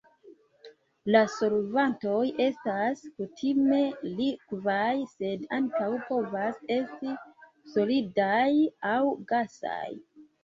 La solvantoj estas kutime likvaj sed ankaŭ povas esti solidaj aŭ gasaj.